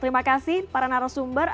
terima kasih para narasumber